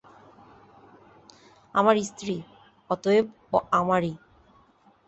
আমার স্ত্রী, অতএব ও আমারই।